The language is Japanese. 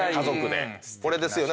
これですよね。